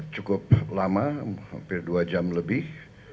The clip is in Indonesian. cukup lama hampir dua jam lebih